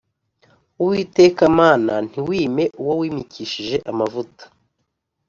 Uwiteka Mana ntiwime uwo wimikishije amavuta